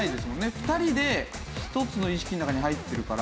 ２人で１つの意識の中に入ってるから。